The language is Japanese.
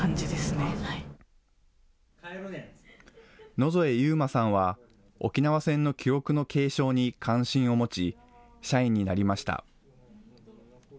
野添侑麻さんは、沖縄戦の記憶の継承に関心を持ち、社員になりました。